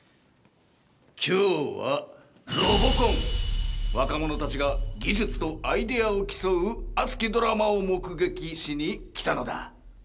今日は若者たちが技術とアイデアを競う熱きドラマを目撃しに来たのだ！